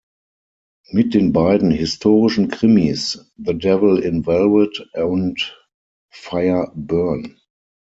Mit den beiden historischen Krimis "The Devil in Velvet" und "Fire, Burn!